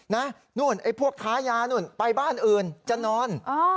นู่นไอ้พวกค้ายานู่นไปบ้านอื่นจะนอน